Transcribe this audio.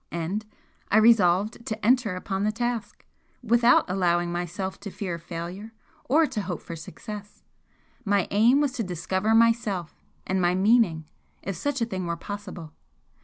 And I resolved to enter upon the task without allowing myself to fear failure or to hope for success. My aim was to discover Myself and my meaning, if such a thing were possible.